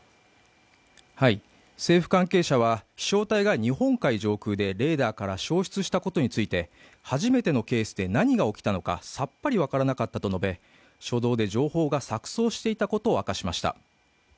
政府関係者は飛翔体が日本海上空でレーダーから消失したことについて初めてのケースで何が起きたのかさっぱり分からなかったと述べ初動で情報が錯そうしていたことを明かしました。